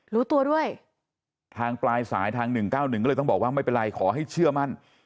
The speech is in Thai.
รู้ตัวด้วยทางปลายสายทาง๑๙๑ก็เลยต้องบอกว่าไม่เป็นไรขอให้เชื่อมั่น